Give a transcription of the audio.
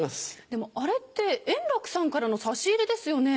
でもあれって円楽さんからの差し入れですよね？